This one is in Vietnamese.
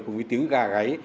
cùng với tiếng gà gáy